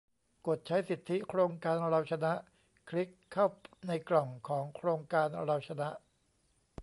กดใช้สิทธิโครงการเราชนะ คลิกเข้าในกล่องของโครงการเราชนะ